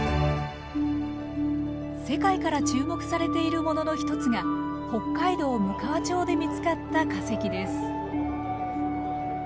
世界から注目されているものの一つが北海道むかわ町で見つかった化石です。